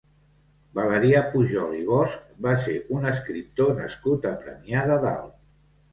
Valerià Pujol i Bosch va ser un escriptor nascut a Premià de Dalt.